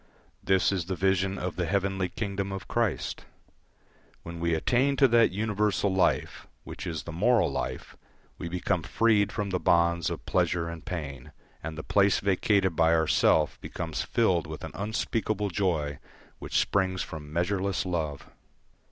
This is the vision of the heavenly kingdom of Christ. When we attain to that universal life, which is the moral life, we become freed from the bonds of pleasure and pain, and the place vacated by our self becomes filled with an unspeakable joy which springs from measureless love.